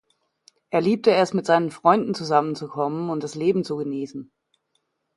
Er liebte es, mit seinen Freunden zusammenzukommen und das Leben zu genießen.